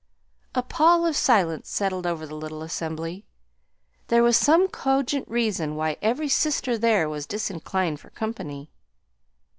A pall of silence settled over the little assembly. There was some cogent reason why every "sister" there was disinclined for company.